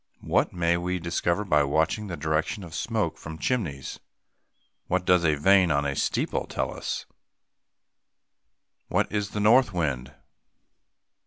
"] What may we discover by watching the direction of the smoke from the chimneys? What does a vane on a steeple tell us? What is a north wind?